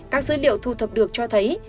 các dữ liệu thu thập được cho thấy